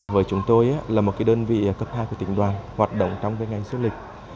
với chúng tôi là một đơn vị cấp hai của tỉnh đoàn hoạt động trong ngành du lịch